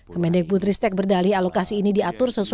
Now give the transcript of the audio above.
kemendik putri stek berdalih alokasi ini diatur sesuai